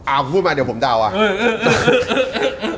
เอาพูดมาเดี๋ยวผมเดาอ่ะ